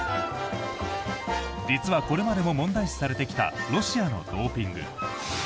実はこれまでも問題視されてきたロシアのドーピング。